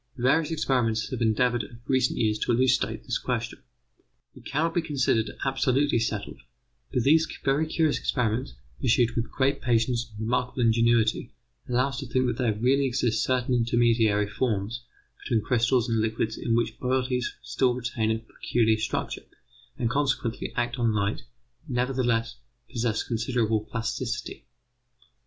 Various experimenters have endeavoured of recent years to elucidate this question. It cannot be considered absolutely settled, but these very curious experiments, pursued with great patience and remarkable ingenuity, allow us to think that there really exist certain intermediary forms between crystals and liquids in which bodies still retain a peculiar structure, and consequently act on light, but nevertheless possess considerable plasticity.